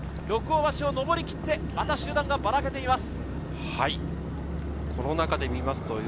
六郷橋を上り切って、また集団がバラけていきます。